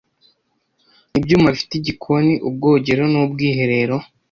ibyuma bifite igikoni, ubwogero n’Ubwiherero